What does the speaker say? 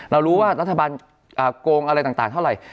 เรารู้ว่ารัฐบาลโกงอะไรต่างเท่าไหร่